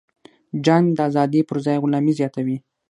جنگ د ازادۍ پرځای غلامي زیاتوي.